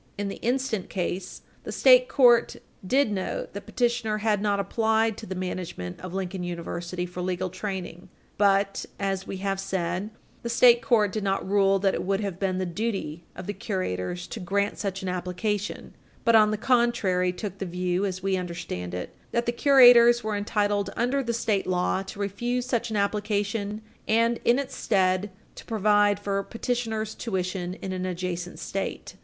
In the instant case, the state court did note that petitioner had not applied to the management of Lincoln University for legal training. But, as we have said, the state court did not rule that it would have been the duty of the curators to grant such an application, but, on the contrary, took the view, as we understand it, that the curators were entitled under the state law to refuse such an application and, in its stead, to provide for petitioner's tuition in an adjacent State.